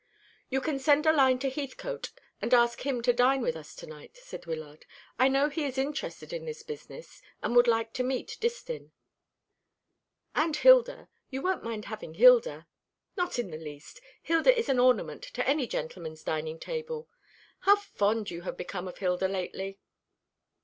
"You can send a line to Heathcote and ask him to dine with us to night," said Wyllard. "I know he is interested in this business, and would like to meet Distin." "And Hilda you won't mind having Hilda?" "Not in the least. Hilda is an ornament to any gentleman's dining table. But how fond you have become of Hilda lately!"